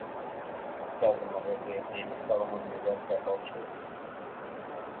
Адказам на гэтыя дзеянні стала мабілізацыя апалчэння.